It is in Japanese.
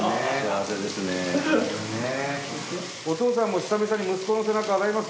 お父さんも久々に息子の背中洗います？